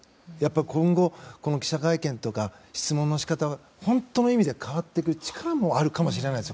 今後、記者会見とか質問の仕方が本当の意味で変わっていく力もあるかもしれないです